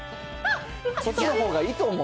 そっちのほうがいいと思う。